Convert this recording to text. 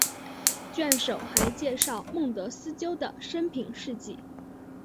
卷首还介绍孟德斯鸠的生平事迹。